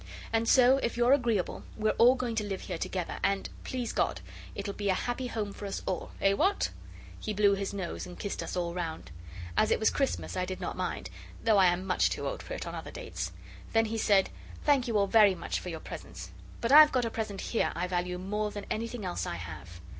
And so, if you're agreeable, we're all going to live here together, and, please God, it'll be a happy home for us all. Eh! what?' He blew his nose and kissed us all round. As it was Christmas I did not mind, though I am much too old for it on other dates. Then he said, 'Thank you all very much for your presents; but I've got a present here I value more than anything else I have.